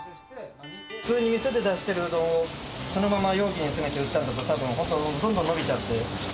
普通に店で出してるうどんをそのまま容器に詰めて売ったら、たぶん、どんどん伸びちゃって。